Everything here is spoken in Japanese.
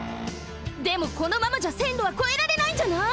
でもこのままじゃせんろはこえられないんじゃない？